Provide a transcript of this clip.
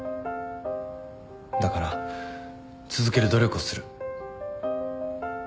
だから続ける努力をする。